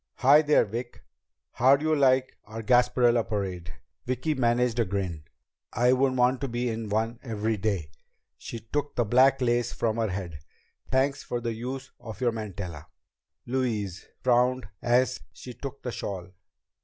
"Hi there, Vic! How do you like our Gasparilla Parade?" Vicki managed a grin. "I wouldn't want to be in one every day." She took the black lace from her head. "Thanks for the use of your mantilla." Louise frowned as she took the shawl.